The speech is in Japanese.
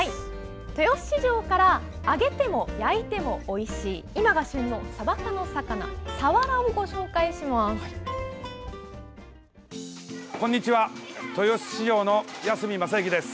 豊洲市場から揚げても焼いてもおいしい今が旬のサバ科の魚サワラをご紹介します。